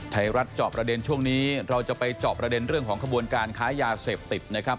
เจาะประเด็นช่วงนี้เราจะไปเจาะประเด็นเรื่องของขบวนการค้ายาเสพติดนะครับ